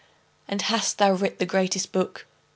"And hast thou writ the greatest book?